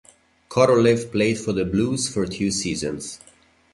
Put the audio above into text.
Korolev played for the Blues for two seasons.